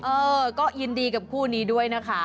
เออก็ยินดีกับคู่นี้ด้วยนะคะ